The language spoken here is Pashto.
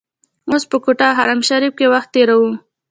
اوس په کوټه او حرم شریف کې وخت تیروو.